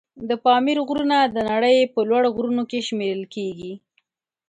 د پامیر غرونه د نړۍ په لوړ غرونو کې شمېرل کېږي.